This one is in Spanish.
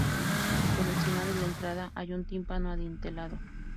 Por encima de la entrada hay un tímpano adintelado.